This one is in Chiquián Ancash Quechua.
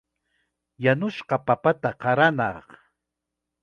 Yanushqa papata qaranaaq.